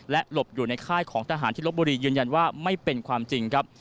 หลบอยู่ในค่ายของทหารที่ลบบุรียืนยันว่าไม่เป็นความจริงครับ